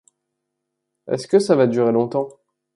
Est-ce que ça va durer longtemps ?